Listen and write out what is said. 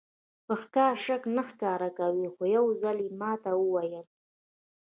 په ښکاره شک نه ښکاره کوي خو یو ځل یې ماته وویل.